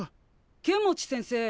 剣持先生。